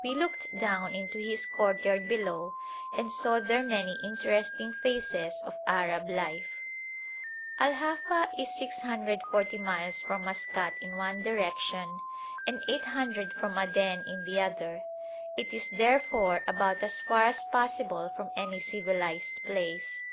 We looked down into his courtyard below and saw there many interesting phases of Arab life. Al Hafa is 640 miles from Maskat in one direction and 800 from Aden in the other; it is, therefore, about as far as possible from any civilised place.